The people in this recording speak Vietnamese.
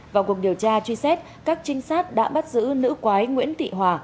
vào cuộc điều tra truy xét các trinh sát đã bắt giữ nữ quái nguyễn thị hòa